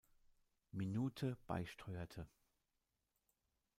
Minute beisteuerte.